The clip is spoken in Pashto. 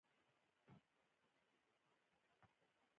موږ یوازې دې ته اړتیا لرو چې صبر ولرو.